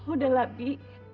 udah lah bi